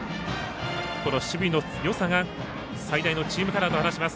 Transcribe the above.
この守備のよさが最大のチームカラーと話します。